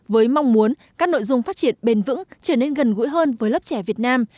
với mong muốn các nội dung phát triển bền vững trở nên gần gũi hơn với lớp trẻ việt nam